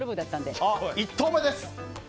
１投目です。